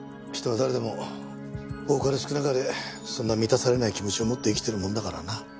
人は誰でも多かれ少なかれそんな満たされない気持ちを持って生きてるもんだからな。